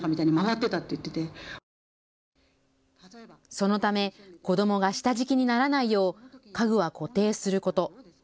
そのため子どもが下敷きにならないよう家具は固定すること。